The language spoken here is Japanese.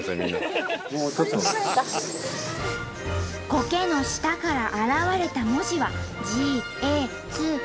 コケの下から現れた文字は「ジ」「ェ」「ッ」